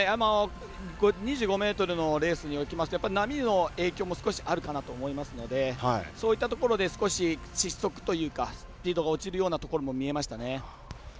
２５ｍのレースにおきますと波の影響も少しあるかなと思いますのでそういったところで少し失速というかスピードが落ちるようなところ見えましたね。